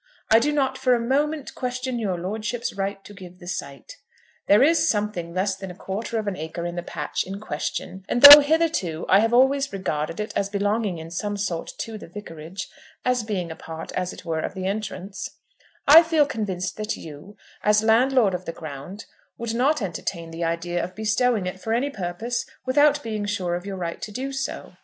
I do not for a moment question your lordship's right to give the site. There is something less than a quarter of an acre in the patch in question; and though hitherto I have always regarded it as belonging in some sort to the Vicarage, as being a part, as it were, of the entrance, I feel convinced that you, as landlord of the ground, would not entertain the idea of bestowing it for any purpose without being sure of your right to do so.